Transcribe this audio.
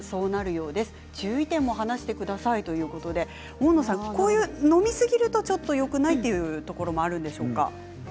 大野さん飲み過ぎるとよくないということもあるんでしょうか。